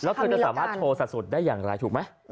แล้วคือจะสามารถโชว์สรรสุทธิ์ได้อย่างไรถูกไหม